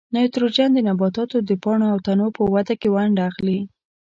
نایتروجن د نباتاتو د پاڼو او تنو په وده کې ونډه اخلي.